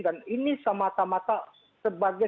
dan ini semata mata sebagai sebuah landasan